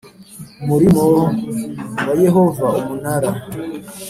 Murimo wa yehova umunara